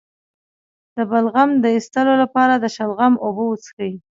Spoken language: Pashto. د بلغم د ایستلو لپاره د شلغم اوبه وڅښئ